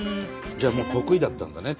じゃあ得意だったんだね